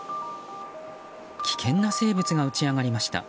危険な生物が打ち上がりました。